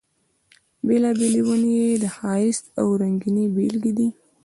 بېلابېلې ونې یې د ښایست او رنګینۍ بېلګې دي.